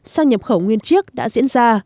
sang nhập khẩu nguyên chiếc đã diễn ra